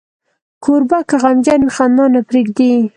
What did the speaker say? کوربه که غمجن وي، خندا نه پرېږدي.